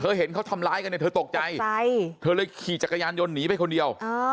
เห็นเขาทำร้ายกันเนี่ยเธอตกใจเธอเลยขี่จักรยานยนต์หนีไปคนเดียว